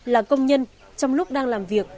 là công nhân trong lúc đang làm việc